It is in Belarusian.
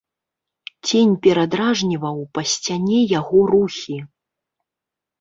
Цень перадражніваў па сцяне яго рухі.